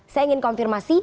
saya ingin konfirmasi